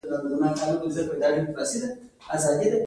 یو شاعر دغه نړیوال حقیقت ته ډېره ښه اشاره کوي